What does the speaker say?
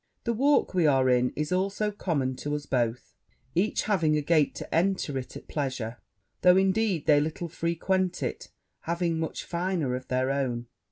The walk we are in is also common to us both, each having a gate to enter it at pleasure; though, indeed, they little frequent it, having much finer of their own.'